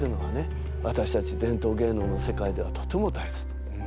わたしたち伝統芸能の世界ではとても大切。